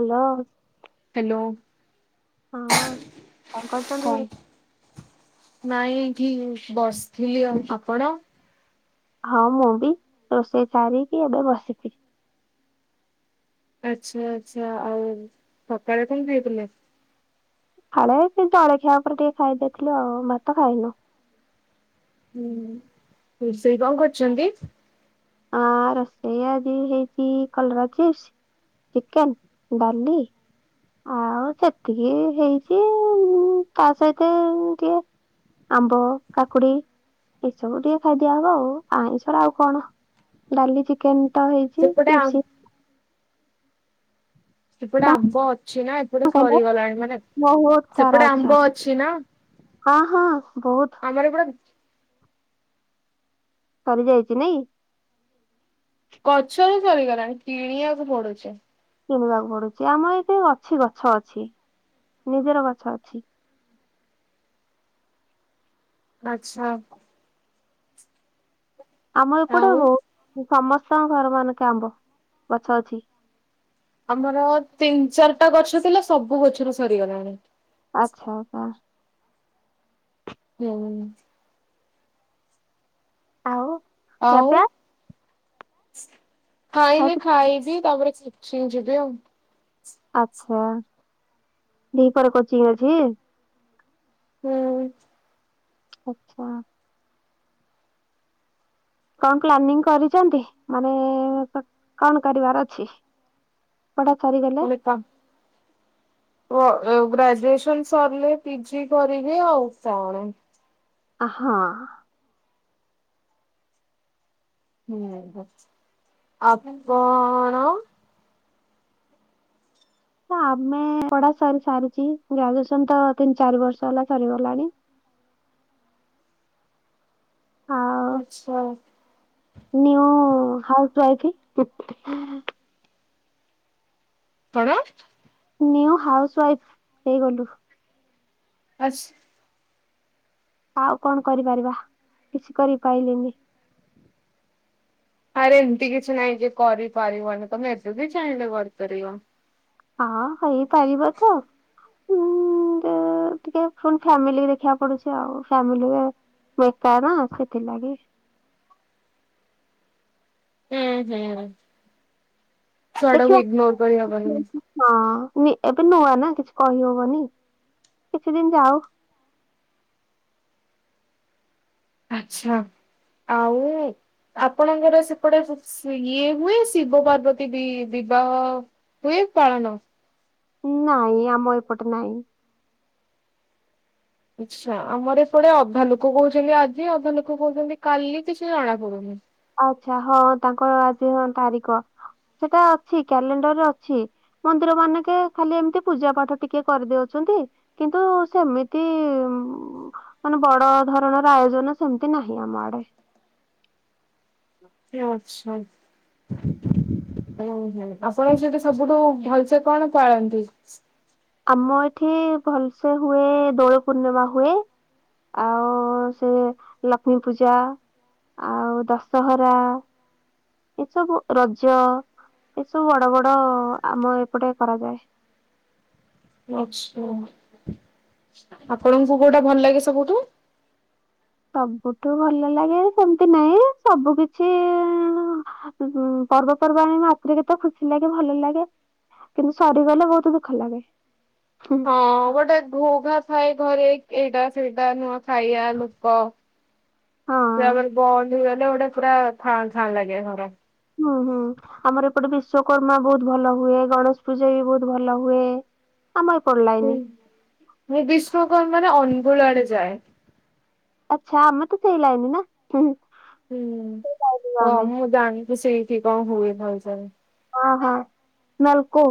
Hello. Hello ହଁ କଣ କରୁଛନ୍ତି? କଂ ନାଇଁ ଏଇଠି ବସିଥିଲି ଆଉ ଆପଣ? ହଁ ମୁଁ ବି ରୋଷେଇ ସାରିକି ଏବେ ବସିଥିଲି। ଆଚ୍ଛା ଆଚ୍ଛା ଆଉ ସକାଳେ କେମିତି [unintelligible] ଦେଇଥିଲେ? ସଖାଳେ ଏଇ ଜଳିଖିଆ ଉପରେ ଟିକେ ଖାଇଦେଇଥିଲୁ ଆଉ ଭାତ ଖାଇନୁ। ହୁଁ ରୋଷେଇ କଣ କରୁଚନ୍ତି? ଆ ରୋଷେଇ ଆଜି ହେଇଛି କଲରା ଚିପ୍ସ ଚିକେନ ଡାଲି ଆଉ ସେତିକି ହେଇଛି ତା ସହିତ ଟିକେ ଆମ୍ବ, କାକୁଡି ଏଇସବୁ ଟିକେ ଖାଇ ଦିଆହବ ଆଉ। ଆଇଁଷରେ ଆଉ କଣ। ଡାଲି ଚିକେନ ତ ହେଇଛି ସେପଟେ ଆ ଚିପ୍ସ। ସେପଟେ ଆମ୍ବ ଅଛି ନା ଏପଟେ କଣ କହିଲ ସରିଗଲାଣି ମାନେ ବହୁତ ସାରା ସେପଟେ ଆମ୍ବ ଅଛି ନା। ହଁ ହଁ ବହୁତ। ଆମର ପୁରା ସରିଯାଇଛି ନାଇଁ। ଗଛରେ ସରିଗଲାଣି କିଣିବାକୁ ପଡୁଛି। କିଣିବାକୁ ପଡୁଛି ଆମ ଏତେ ଅଛି ଗଛ ଅଛି ନିଜର ଗଛ ଅଛି। ଆଛା। ଆମର ଏପଟେ ଆଉ ବହୁତ୍ ସମସ୍ତଙ୍କ ଘର ମାନଙ୍କେ ଆମ୍ବ ଗଛ ଅଛି। ଆମର ତିନି ଚାରିଟା ଗଛ ଥିଲା ସବୁ ଗଛରୁ ସରିଗଲାଣି। ଆଛା ଆଉ କଣ? ଦିଆହୁଏନି। ଆଉ। ଆଉ ଖିଆପିଆ? ଖାଇନି ଖାଇ ଖାଇବି ତାପରେ ଯି ଞ୍ଚିଂ ଯିବି ଆଉ। ଆଛା ଦିପହ ରେ କୋଚିଂ ଅଛି। ହୁଁ। ଅଛା। କଣ ପ୍ଲାନିଂ କରିଛନ୍ତି ମାନେ କଣ କରିବାର ଅଛି? ପଢା ସରିଗ ମୁଁ କହିନି ତାଙ୍କ୍ ଓ ଗ୍ରାଜୁଏସନ ସରିଲେ ପିଜି କରିବି ଆଉ କଣ। ଅ ହଁ। ହୁଁ ଆପଣ ଆମେ ପଢା ସରି ସାରିଚି ଗ୍ରାଜୁଏସନ ତ ତିନି ଚାରି ବର୍ଷ ହେଲା ସରିଗଲାଣି। ଆଚ୍ଛା। ନିଉ ହାଉସୱାଇଫ ପୁ କଣ? ନିଉ ହାଉସ ୱାଇଫ ହେଇଗଲୁ। ଆସ୍ ଆଉ କଣ କରିପାରିବା କିଛି କରି ପାଇଲିନି। ଆରେ ଏମିତି କିଛି ନାଇଁ ଯେ କରିପାରିବନି ତମେ ଏବେବି ଚାହିଁଲେ କରିପାରିବ। ହଁ ହେଇପାରିବ ଯେ ହଁ ଟିକେ ପୁଣି ଫ୍ୟାମିଲି ଦେଖିବାକୁ ପଡୁଛି ଆଉ ଫାମିଲ ମୁଁ ଏକା ନା ସେଥିଲାଗି। ହୁଁ ହୁଁ ଛୁଆଟାକୁ ଦେଖିବା ଇଗନୋର କରିହବନି। ହଁ ନି ଏବେ ନୂଆ ନା କିଛି କହିହବନି କିଛି ଦିନ ଯାଉ। ଆଛା ଆଉ ଆପଣଙ୍କର ସେପଟେ ସି ଇଏ ହୁଏ ଶିବ ପାର୍ବତୀ ବି ବିବାହ? ହୁଏ ପାଳନ? ନାଇଁ ଆମ ଏପଟେ ନାଇଁ। ଆଚ୍ଛା। ଆମର ଏପଟେ ଅଧା ଲୋକ କହୁଛନ୍ତି ଆଜି ଅଧା ଲୋକ କହୁଛନ୍ତି କାଲି କିଛି ଜଣାପଡୁନି। ଆଛା ହଁ ତାଙ୍କର ଆଜି ହଁ ତାରିକ ସେଟା ଅଛି କ୍ୟାଲେଣ୍ଡର ରେ ଅଛି। ମନ୍ଦିର ମାନକେ ଖାଲି ଏମତି ପୂଜା ପାଠ ଟିକେ କରିଦେଉଛନ୍ତି। କିନ୍ତୁ ସେମିତି ଇ ଇ ମ୍ ମାନେ ବଡ଼ ଧରଣର ଆୟୋଜନ ସେମତି ନାହିଁ ଆମ ଆଡେ। ହ। ସେ ଅଛନ୍ତ ଉଁ ହୁଁ ଆପଣଙ୍କ ସେଇଠେ ସବୁଠୁ ଭଲସେ କଣ ପାଳନ୍ତି? ଆମ ଏଠି ଭଲସେ ହୁଏ ଏ ଏ ଦୋଳ ପୂର୍ଣ୍ଣିମା ହୁଏ। ଆ ଓ ଓ ସିଏ ଲକ୍ଷ୍ମୀ ପୂଜା ଆଉ ଦଶହରା ଏସବୁ ରଜ ଏସବୁ ବଡ଼ ବଡ଼ ଆମ ଏପଟେ କରାଯାଏ। ଆଚ୍ଛା ଆପଣଙ୍କୁ କୋଉଟା ଭଲ ଲାଗେ ସବୁଠୁ? ସବୁଠୁ ଭଲ ଲାଗେ ସେମତି ନାଇଁ ସବୁ କିଛି ଇ ଇ ଅଁ ଅ ହୁଁ ପର୍ବପର୍ବାଣୀ ମାତ୍ରେକେ ତ ଖୁସି ଲାଗେ ଭଲ ଲାଗେ। କିନ୍ତୁ ସରିଗଲେ ବହୁତୁ ଦୁଃଖ ଲାଗେ। ହଁ ଗୋଟେ ଘୋଘା ଥାଏ ଘରେ ଏଇଟା ସେଇଟା ନୁଆ ଖାଇବା ଲୋକ ହଁ। ତାପରେ ବନ୍ଦ ହେଇଗଲେ ଗୋଟେ ପୁରା ଫା ଛାଁ ଲାଗେ ଘର। ହୁଁ ହୁଁ ଆମର ଏପଟେ ବିଶ୍ୱକର୍ମା ବହୁତ ଭଲ ହୁଏ ଗଣେଶ ପୂଜା ବି ବହୁତ ଭଲ ହୁଏ। ଆମ ଏପଟ ହୁଁ ଲାଇନି। ମୁଁ ବିଶ୍ୱକର୍ମା ରେ ଅନଗୁଳ ଆଡ଼େ ଯାଏ। ଆଚ୍ଛା ଆମେ ତ ସେଇ ଲାଇନି ନା ହୁଁ। ହୁଁ ଲାଇନି ଆମେ ହଁ ମୁଁ ଜାଣିଚି ସେଇଠି କଣ ହୁଏ ନଉ ସରେ। ହଁ ହଁ ନାଲକୋ।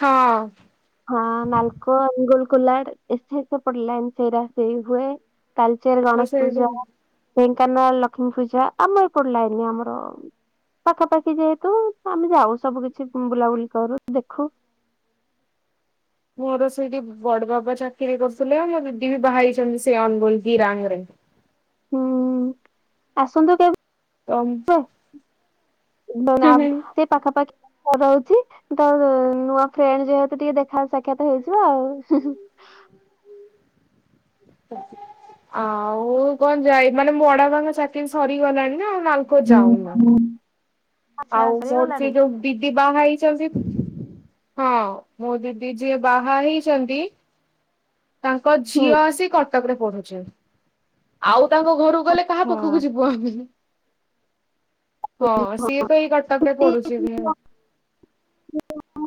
ହଁ। ହଁ ନାଲକୋ, ଅନଗୁଲ, କୋଲାଡ଼ ଏ ସେ ହାଇ ପର ପଡ଼ିଲାଣ ସେଇରା ସେଇ ହୁଏ। ତାଳଚେର ମୁଁ ଗଣେଶ ସେଇଠି ପୂଜା ଢ଼େଙ୍କାନାଳ ଲକ୍ଷ୍ମୀ ପୂଜା ଆମ ଏପଟ ଲାଇନି ଆମର ପାଖାପାଖି ଯେହେତୁ ଆମେ ଯାଉ ସବୁ କିଛି ଉଁ ବୁଲାବୁଲି କରୁ ଦେଖୁ ମୋର ସେଇଠି ବଡ଼ ବାବା ଚାକିରି କରୁଥିଲେ ଆଉ ମୋ ଦିଦି ବି ବାହା ହେଇଛନ୍ତି ସେ ଅନଗୁଲ ବିରାଙ୍ଗ ରେ। ହୁଁ ଆସନ୍ତୁ କେବ ବେ ତ ଯୋଉ ଦିନ ଆ ସେ ପାଖାପାଖି ଅ ରହୁଚି ତ ନୂଆ ଫ୍ରେଣ୍ଡ ଯେହେତୁ ଟିକେ ଦେଖା ସାକ୍ଷାତ ହେଇଯିବା ଆଉ ହିଁ ହିଁ। ଆଉ କଣ ଯାଇ ମାନେ ମୋ ବଡ଼ ବାପାଙ୍କ ଚାକିରି ସରିଗଲାଣି ନା ନାଲ ଉଁ ହୁଁ। ଆଚ୍ଛା ଆଉ ମୋର ସରିଗଲାଣି ସେ ଯୋଉ ଦିଦି ବାହା ହେଇଚନ୍ତି ହଁ ମୋ ଦିଦି ଯିଏ ବାହା ହେଇଚନ୍ତି ତାଙ୍କ ହୁଁ ଝିଅ ଆସି କଟକ ରେ ପଢୁଚି। ଆଉ ତାଙ୍କ ଘରୁକୁ ଗଲେ କାହା ଆଚ୍ଛା ପାଖକୁ ଯିବୁ ଆମେ। ହଁ ସିଏ ତ ଏଇ କଟକରେ ଏମତି ପଢ଼ୁଛି ବି ହଁ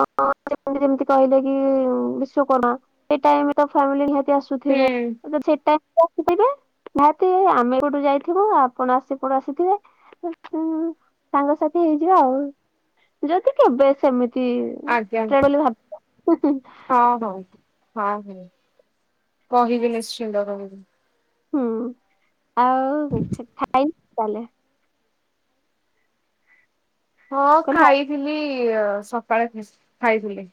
ଆପଣ ଯେମତି ଯେମତି କହିଲେ କି ଇ ଇ ଉଁ ବିଶ୍ୱକର୍ମା ସେ ଟାଇମ୍ ରେ ତ ଫାମିଲ ନିହାତି ଆସ ସୁଥିବେ ତ ସେ ଟାଇ ହ ଥିବେ ନିହାତି ଆମେ ଏପଟୁ ଯାଇଥିବୁ ଆପଣ ଆସି ହେପଟୁ ଆସିଥିବେ ସେଠି ଆମେ ସାଙ୍ଗସାଥି ହେଇଯିବା ଆଉ। ତୁକେବେ ସେମିତି ଆଜ୍ଞା। କେଣେବୋଲି ଭାବୁଚ। ହଁ ହୋଉ। ହଁ ହୁଁ କହିବି ନିଶ୍ଚିନ୍ତ କହିବି। ହୁଁ ଆଉ ଖାଇନି ତାହାଲେ। ହଁ କହିଲି ଖାଇଥିଲି ସକାଳେ ଖାଇଥିଲେ।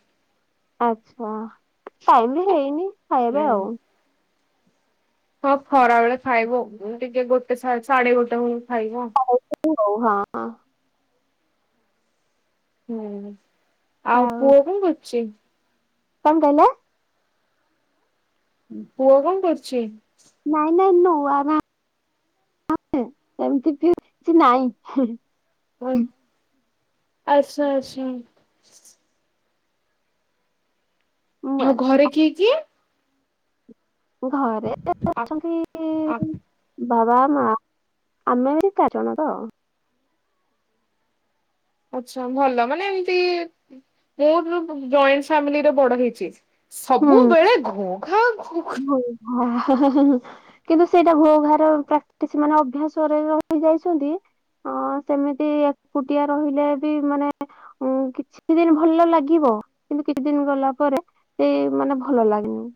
ଆଚ୍ଛା ଟାଇମ୍ ବି ହେଇନି ଖାଇବା ପାଇଁ ହୁଁ। ଆଉ। ହଁ ଖରା ବେଳେ ଖାଇବୁ ଟିକେ ଗୋଟେ ସାଢେ ଗୋଟେ ଵୋଳୁକୁ ଖାଇବୁ। ହଉ ହଁ। ହୁଁ ଆଉ ପୁଅ କଣ କରୁଚି? କଣ କହିଲ? ପୁଅ କଣ କରୁଚି? ନାଇଁ ନାଇଁ ନୂଆ ଘାଆ ସେମିତି କିଛି ନାଇଁ। ଆଚ୍ଛା ଆଚ୍ଛା। ଆଉ ମୁଁ- ଘରେ କିଏ କିଏ? ଘରେ ଅଛନ୍ତି। ବାବା ମା ଆମେ ଏଠି ଚାରି ଜଣ ତ। ଆଛା ଭଲ ମାନେ ଏମତି ମୋର ଜଏଣ୍ଟ ଫାମିଲିରେ ବଡ ହେଇଚି। ହୁଁ। ସବୁବେଳେ ଘୁ ଘା ଘୁ ଘା। ହଁ ହା ହା ହା ହୁ। କିନ୍ତୁ ସେଇଟା ଘୋ ଘାରେ ପ୍ରାକ୍ଟିସି ମାନେ ଅଭ୍ୟାସରେ ରହି ଯାଇଛନ୍ତି। ହଁ ସେମିତି ଏକୁଟିଆ ରହିଲେ ବି ମାନେ ଉ କିଛି ଦିନି ଭଲ ଲାଗିବ କିନ୍ତୁ କିଛି ଦିନି ଗଲା ପରେ ସେଇ ମାନେ ଭଲ ଲାଗେନି।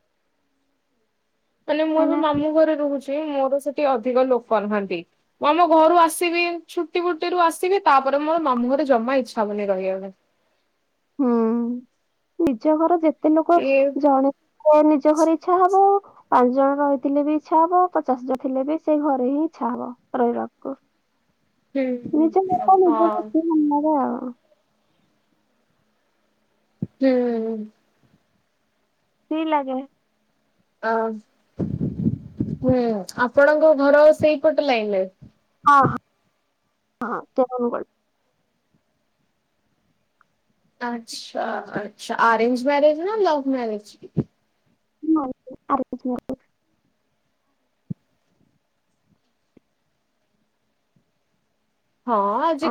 ମାନେ ମୁଁ ଏବେ କାହିଁକିନା ମାମୁଁ ଘରେ ରହୁଛି ମୋର ସେଠି ଅଧିକ ଲୋକ ନାହାନ୍ତି। ମୁଁ ଆମ ଘରୁ ଆସିବି ଛୁଟି ଫୁଟିରୁୁ ଆସିବି ତାପରେ ମୋର ମାମୁଁ ଘରେ ଜମା ଇଚ୍ଛା ହବନି ରହିବାପାଇଁ। ହୁଁ ନିଜ ଘର ଯେତେ ଲୋକ ଏ ଜଣେ। ମୋନିଜ ଘରେ ଇଛା ହବ। ପା ଜଣ ରହିଥିଲେ ବି ଇଚ୍ଛା ହବ ପଚାଶେ ଜଣ ଥିଲେ ବି ସେଇ ଘରେ ହିଁ ଇଚ୍ଛା ହବ ରହିବାକୁ। ନିଜ ହୁଁ ଘରଟା ନିଜକୁ ହଁ। ବେସି ଭଲ୍ ଲାଗେ ଆଉ। ହୁଁ। ଫ୍ରି ଲାଗେ। ଆ ଉ ଆପଣଙ୍କ ଘର ସେଇପଟ ଲାଇନ୍ ରେ? ହଁ ହଁ ହଁ ତୁମୁନୁ ଗଳି। ଆଚ୍ଛା ଆଚ୍ଛା ଅରେଞ୍ଜେ ମ୍ୟାରେଜେ ନା ଲଭ୍ ମ୍ୟାରେଜେ? [inaudible] ହଁ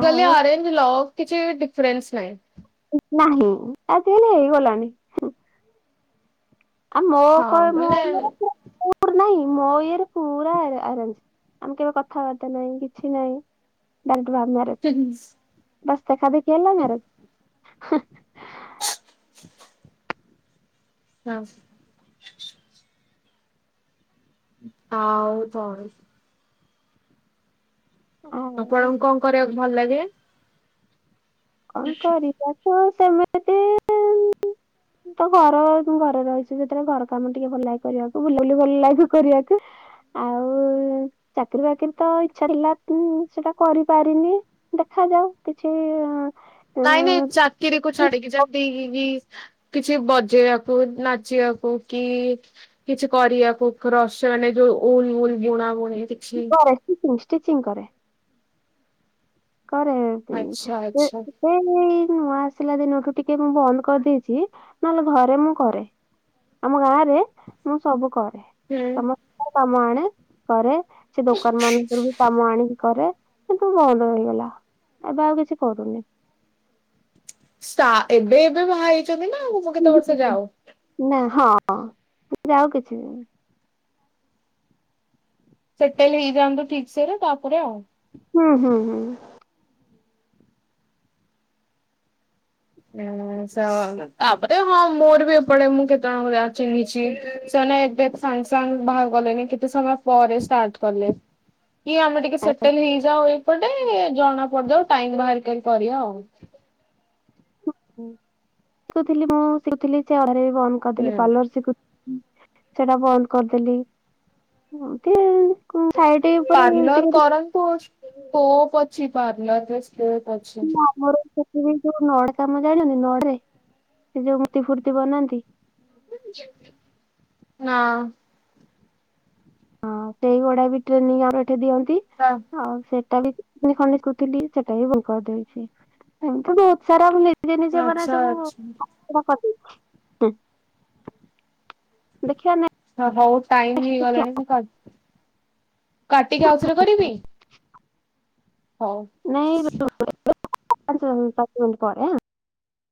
ଆଉ ଅରେଞ୍ଜେ ଲଭ୍ କିଛି ଡିଫେରେନ୍ସେ ନାହିଁ। ନାହିଁ ଆଜିକାଲି ହେଇଗଲାଣି। ଆ ମୋ କ ହଁ ମୋ ମାନେ ଇ ନାହିଁ ମୋ ଇଏରେ ପୁର ଆରଞ୍ଜେ। ଆମେ କେବେ କଥାବାର୍ତ୍ତା ନାହିଁ କିଛି ନାହିଁ ଡାଇରେଟେ ଲଭ୍ ମ୍ୟାରେଜେ। [inaudible] ବସ୍ ଦେଖା ଦେଖି ହେଲା ନାରେ? ମ୍ୟାମ ସହିତ। ହାଉ ପୁଣି। ଆଉ ଆପଣଙ୍କୁ କଣ କରିବାକୁ ଭଲ ଲାଗେ? କରିବାକୁ ସେମିତି [inaudible] ତ ଘର ତୁ ଘରେ ରହିଛୁ ଯେତେଳେ, ଘର କାମ ଟିକେ ଭଲ ଲାଗେ କରିବାକୁ। ବୁଲା ବୁଲି ଭଲ ଲାଗେ କରିବାକୁ। ଆଉ ଚାକିରି ବାକିରି ତ ଇଛା ଥିଲା, ମୁଁ ସେଟା କରିପାରିନି। ଦେଖାଯାଉ କିଛି-ଇଁ ନାଇଁ ନାଇଁ, ଚାକିରି କୁ ଛାଡିକି ଯେମତି, ଗି ଗିଜ୍ କିଛି ବଜେଇବାକୁ ନାଚିବାକୁ କି-ଇ କିଛି କରିବାକୁ କ୍ରସ୍ ମାନେ ଯୋଉ ଉଲ୍ ଉଲ୍ ବୁଣା ବୁଣି କିଛି କରେଷ୍ଟିଚିଂ ଷ୍ଟିଚିଂ କରେ। କରେ-ଏ ଆଚ୍ଛା ଆଚ୍ଛା। ଏଇ ଏଇ ନୂଆ ଆସିଲା ଦିନଠୁ ଟିକେ ମୁଁ ବନ୍ଦ କରିଦେଇଚି। ନହେଲେ ଘରେ ମୁଁ କରେ। ଆମ ଗାଁ ରେ ମୁଁ ସବୁ କରେ। ହୁଁ। ସମସ୍ତ [inaudible] ମୁଁ ଆଣେ କରେ, ସେ ଦୋକାନ ମାନଙ୍କରୁ ବି କାମ ଆଣିକି କରେ। କିନ୍ତୁ ବନ୍ଦ ହେଇଗଲା। ଲା ଏବେ ଆଉ କିଛି କରୁନି। ଷ୍ଟା ଏବେ ଏବେ ବାହା ହେଇଛନ୍ତି ନା, ମୁଁ ମ କେତେ ବର୍ଷ ଯାଉ। ନା ହଁ, ଯାଉ କିଛି ଦିନି। ସେଟେଲ୍ ହେଇଯାଆନ୍ତୁ ଠିକ୍ ସେରେ ତା'ପରେ ଆଉ। ହୁଁ, ହୁଁ, ହୁଁ। [unintelligible] ତା'ପରେ ହଁ ମୋର ବି ଏପଟେ ମୁଁ କେତେ ଜଣଙ୍କ ଯାହା ଚିହ୍ନିଛି। ସେମାନେ ଏବେ ସାଙ୍ଗ୍ ସାଙ୍ଗ୍ ବାହା ଗଲେନି, କେତେ ସମୟ ପରେ ଷ୍ଟାର୍ଟ କଲେ। କି ଆମେ ଟିକେ ଆଉ ସେଟେଲ୍ ହେଇଯାଉ ଏପଟେ, ଜଣା ପଡିଯାଉ ଟାଇମ୍ ବାହାର କରିବା ଆଉ। ହୁଁ ଶିଖୁଥିଲି ମୁଁ ଶିଖୁଥିଲି [unintelligible] ବନ୍ଦ କରିଦେଲି ହୁଁ ପାର୍ଲର ଶିକୁ ହୁଁ, ସେଟା ବନ୍ଦ କରିଦେଲି। ଏମିତି ଆଉଁ କଣ ସାଇଟି ଉପରେ ଟିକେ [unintelligible] ତାଙ୍କୁ ସ୍କୋପ୍ ଅଛି ପାର୍ଲରେ, ସ୍କୋପ୍ ଅଛି। ସେ ଯୋଉ ନଡ୍ କାମ ଜାଣନି, ନଡରେ ସେ ଯୋଉ ମୂର୍ତି ଫୁର୍ତି ବନାନ୍ତି। ନା। ହଁ, ସେଇଗୁଡା ବି ଟ୍ରେନିଂ ଆଉ ଏଠେ ଦିଅନ୍ତି। ହଁ। ଆଉ ସେଟା ବିତି [unintelligible] କଥିଲି ସେଟା ବିି ଭ କରିଦେଇଛି। ଏମିତି ବହୁତ ସାରା ନି ନିଜେ ନିଜେ ବରା ଆଚ୍ଛା ସବୁ ଆଚ୍ଛା [unintelligible] କରଦେଇଚି। ଦେଖିବା ନେ ହଁ, ହଉ ଟାଇମ୍ ହେଇଗଲାଣି। ମୁଁ କାଟ୍ କାଟିକି ଆଉଥରେ କରିବି? ହଉ। ନାଇଁ [inaudible] ପାଞ୍ଚ ମିନିଟ ପରେ ଆଁ।